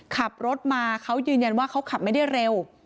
ขับรถมาเขายืนยันว่าเขาขับไม่ได้เร็ว